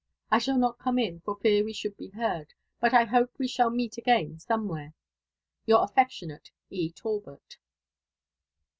I shall not come in, for fear we should be heard ; but 1 hope we shall meet again somewhere. Your affectionate, E. Talbot.